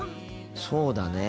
そうだね。